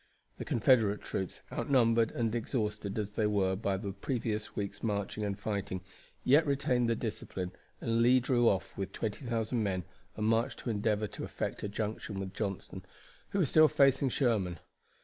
The Confederate troops, outnumbered and exhausted as they were by the previous week's marching and fighting, yet retained their discipline, and Lee drew off with 20,000 men and marched to endeavor to effect a junction with Johnston, who was still facing Sherman.